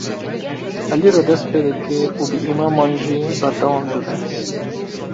Elî re dest pê dike û bi îmaman jî berdewam dibe.